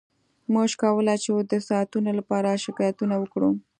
موږ کولی شو د ساعتونو لپاره شکایتونه وکړو